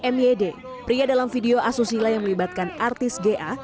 m y d pria dalam video asusila yang melibatkan artis ga